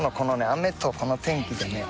雨とこの天気でね